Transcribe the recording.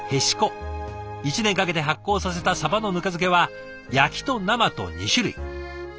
１年かけて発酵させたサバのぬか漬けは焼きと生と２種類。